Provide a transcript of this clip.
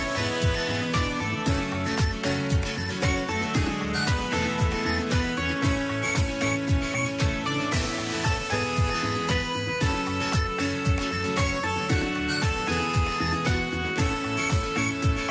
โปรดติดตามตอนต่อไป